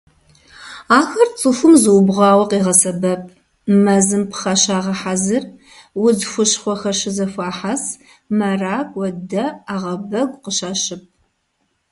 Ахэр цӀыхум зыубгъуауэ къегъэсэбэп: мэзым пхъэ щагъэхьэзыр, удз хущхъуэхэр щызэхуахьэс, мэракӀуэ, дэ, Ӏэгъэбэгу къыщащып.